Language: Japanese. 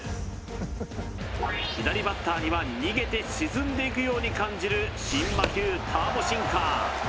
左バッターには逃げて沈んでいくように感じる新魔球ターボシンカー